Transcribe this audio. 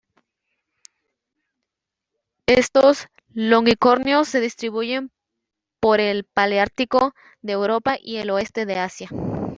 Estos longicornios se distribuyen por el paleártico de Europa y el oeste de Asia.